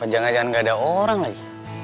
apa jangan jangan gak ada orang lagi